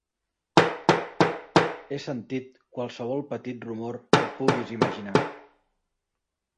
He sentit, qualsevol petit rumor que et puguis imaginar.